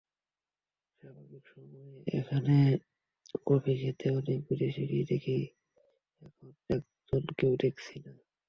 স্বাভাবিক সময়ে এখানে কফি খেতে অনেক বিদেশিকেই দেখি, এখন একজনকেও দেখছি না।